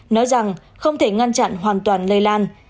nói rằng không thể ngăn chặn hoàn toàn lây lan